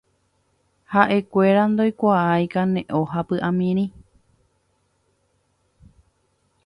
Ha'ekuéra ndoikuaái kane'õ ha py'amirĩ